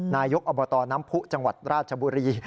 นายกอบตน้ำผู้จังหวัดราชบุรี